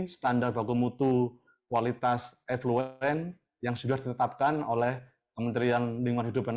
standar baku mutu kualitas eveluen yang sudah ditetapkan oleh kementerian lingkungan hidup dan